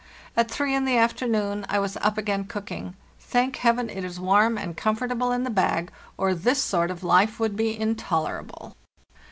At three in the afternoon I was up again cooking. Thank Heaven, it is warm and comfortable in the bag, or this sort of life would be intolerable